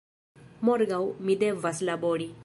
Morgaŭ mi devas labori"